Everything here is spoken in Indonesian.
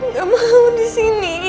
gak mau disini